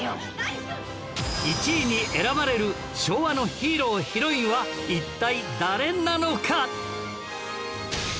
１位に選ばれる昭和のヒーロー＆ヒロインは一体誰なのか？